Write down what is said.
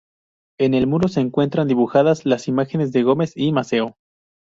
En el muro se encuentran dibujadas las imágenes de Gómez y Maceo.